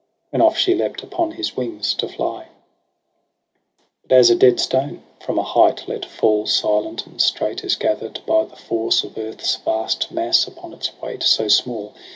When off she lept upon his wings to fly. 141 EROS ^ PSYCHE But as a dead stone, from a height let fall. Silent and straight is gather'd by the force Of earth's vast mass upon its weight so small.